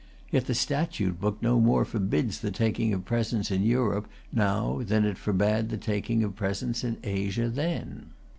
Yet the statute book no more forbids the taking of presents in Europe now than it forbade the taking of presents in Asia then.